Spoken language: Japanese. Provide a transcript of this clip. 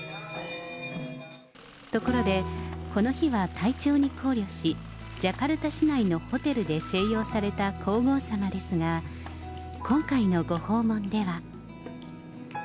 ところで、この日は体調に考慮し、ジャカルタ市内のホテルで静養された皇后さまですが、今回のご訪問では。